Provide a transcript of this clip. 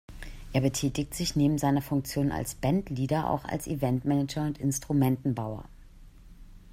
Er betätigt sich neben seiner Funktion als Bandleader auch als Eventmanager und Instrumentenbauer.